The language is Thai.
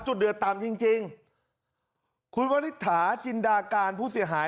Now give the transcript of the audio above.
เดือดต่ำจริงจริงคุณวริษฐาจินดาการผู้เสียหาย